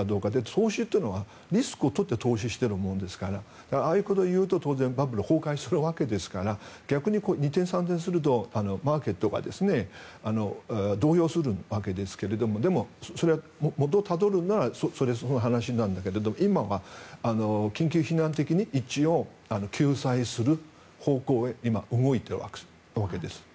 投資というのはリスクを取って投資しているものですからああいうことを言うと当然、バブルは崩壊するわけですから逆に二転三転するとマーケットが動揺するわけですがでも、それは元をたどるとそういう話なんだけど今は緊急避難的に一応、救済する方向へ今、動いているわけです。